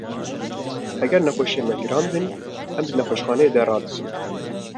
Heger nexweşiyên me giran bin, em di nexweşxaneyê de radizên.